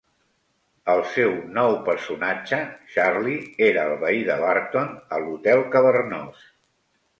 El seu nou personatge, Charlie, era el veí de Barton a l'hotel cavernós.